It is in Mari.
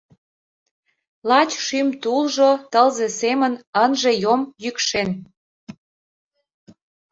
Лач шӱм тулжо тылзе семын ынже йом, йӱкшен.